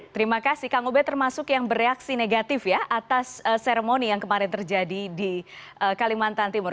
terima kasih kang ubed termasuk yang bereaksi negatif ya atas seremoni yang kemarin terjadi di kalimantan timur